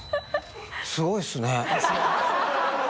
すごいっすね。